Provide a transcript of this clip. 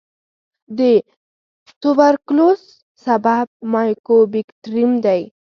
د توبرکلوس سبب مایکوبیکټریم دی.